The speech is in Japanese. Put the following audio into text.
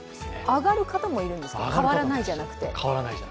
上がる方もいるんですか、変わらないじゃなくて？